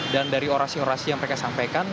dan dari orasi orasi yang mereka sampaikan